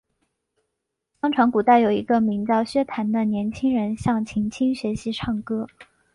相传古代有一个名叫薛谭的年轻人向秦青学习唱歌。